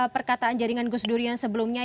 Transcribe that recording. perkataan jaringan gus durian sebelumnya